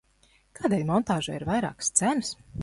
Kādēļ montāžai ir vairākas cenas?